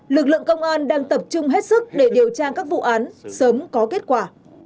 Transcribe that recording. lực lượng công an đang tập trung hết sức để điều tra các vụ án sớm có kết quả